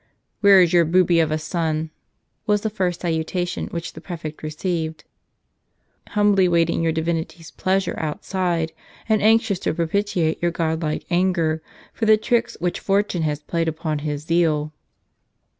"Where is your booby of a son? " was the first salutation which the prefect received. " Humbly waiting your divinity's pleasure outside, and anxious to propitiate your godlike anger, for the tricks which fortune has played upon his zeal."